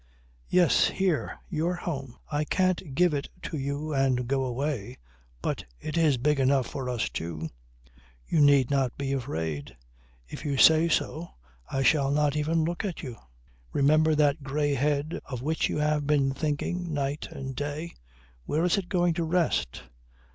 "Yes. Here. Your home. I can't give it to you and go away, but it is big enough for us two. You need not be afraid. If you say so I shall not even look at you. Remember that grey head of which you have been thinking night and day. Where is it going to rest?